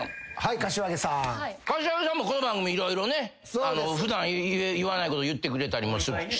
柏木さんもこの番組色々ね普段言わないこと言ってくれたりもして。